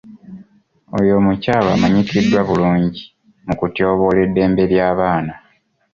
Oyo omukyala amanyikiddwa bulungi mu kutyoboola eddembe ly'abaana.